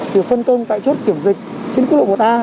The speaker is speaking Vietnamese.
được phân công tại chốt kiểm dịch trên quốc lộ một a